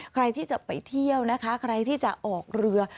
ใครที่จะไปเที่ยวนะคะใครที่จะออกเรือ